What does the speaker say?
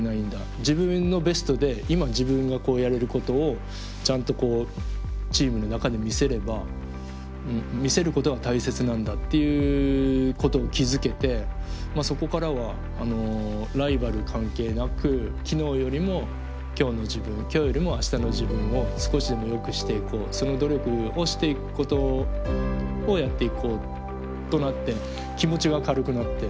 自分のベストで今自分がやれることをちゃんとチームの中で見せれば見せることが大切なんだっていうことを気付けてまあそこからはライバル関係なく昨日よりも今日の自分今日よりも明日の自分を少しでもよくしていこうその努力をしていくことをやっていこうとなって気持ちが軽くなって。